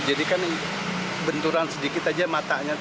jadi kan benturan sedikit aja matanya